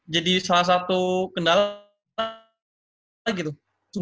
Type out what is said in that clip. jadi salah satu kendala gitu